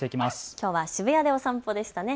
きょうは渋谷でお散歩でしたね。